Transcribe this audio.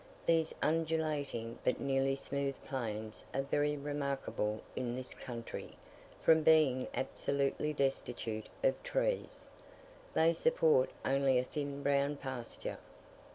These undulating but nearly smooth plains are very remarkable in this country, from being absolutely destitute of trees. They support only a thin brown pasture.